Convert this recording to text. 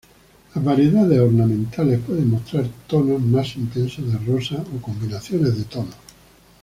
Las variedades ornamentales pueden mostrar tonos más intensos de rosa o combinaciones de tonos.